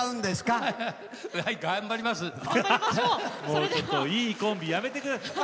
もうちょっといいコンビやめてください。